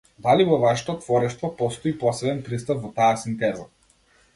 Дали во вашето творештво постои посебен пристап во таа синтеза?